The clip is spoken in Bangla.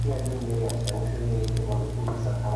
বাঘ এবং নারীর চিৎকারের মধ্যে যথেষ্ট পার্থক্য রয়েছে।